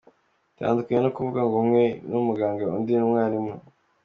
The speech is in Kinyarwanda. Bitandukanye no kuvuga ngo umwe ni umuganga undi ni umwarimu.